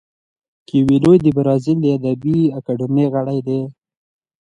کویلیو د برازیل د ادبي اکاډمۍ غړی دی.